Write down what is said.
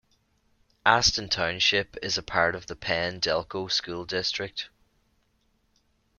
Aston Township is a part of the Penn-Delco School District.